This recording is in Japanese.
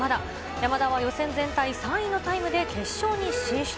山田は予選全体３位のタイムで決勝に進出。